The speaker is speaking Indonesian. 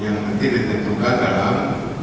yang mesti ditentukan dalam